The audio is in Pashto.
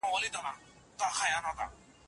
سالم خوراک د وده تضمينوي.